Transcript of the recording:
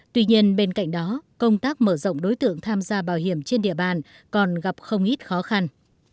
tuy nhiên bên cạnh đó công tác mở rộng đối tượng tham gia bảo hiểm trên địa bàn còn gặp không ít khó khăn